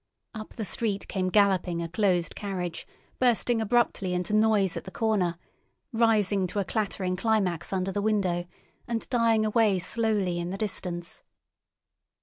Up the street came galloping a closed carriage, bursting abruptly into noise at the corner, rising to a clattering climax under the window, and dying away slowly in the distance.